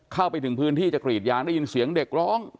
เข้าไปถึงพื้นที่จะกรีดยางได้ยินเสียงเด็กร้อง